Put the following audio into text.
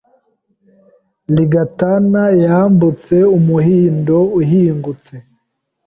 Rigatana yambutse Umuhindo uhingutse